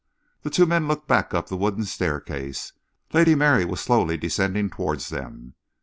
The two men looked back up the wooden staircase. Lady Mary was slowly descending towards them.